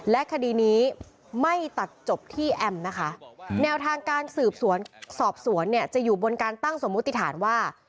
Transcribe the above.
และคดีนี้ไม่ตัดจบที่แอมนะคะแนวทางการสืบสวนสอบสวนเนี่ยจะอยู่บนการตั้งสมมุติฐานว่า